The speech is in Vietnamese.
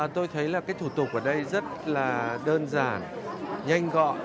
tôi thấy là cái thủ tục ở đây rất là đơn giản nhanh gọn